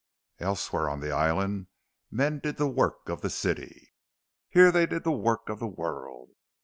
Elsewhere on the island men did the work of the city; here they did the work of the world.